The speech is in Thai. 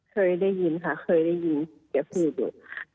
เคยได้ยินค่ะเคยได้ยินเดี๋ยวพูดดู